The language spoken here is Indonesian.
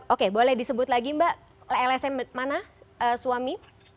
oke boleh disebut lagi mbak lsm mana suami